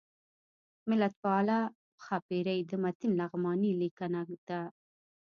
ملتپاله ښاپیرۍ د متین لغمانی لیکنه ده